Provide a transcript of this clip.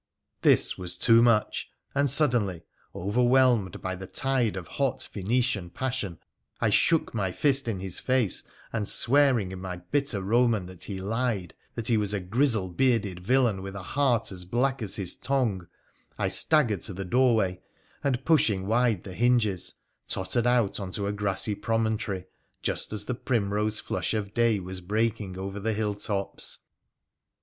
This was too much, and suddenly, overwhelmed by the tide of hot Phoenician passion, I shook my fist in his face, and swearing in my bitter Eoman that he lied, that he was a grizzle bearded villain with a heart as black as his tongue, I staggered to the doorway, and pushing wide the hinges tottered out on to a grassy promontory just as the primrose flush of day was breaking over the hilltops.